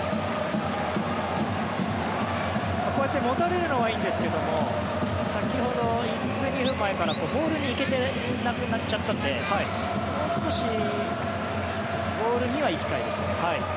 こうやって持たれるのはいいんですけど先ほど、１分、２分前からボールに行けなくなっちゃったのでもう少しボールには行きたいですね。